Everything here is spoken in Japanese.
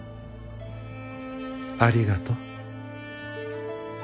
ありがとう。